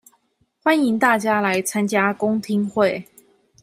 歡迎大家來參加公聽會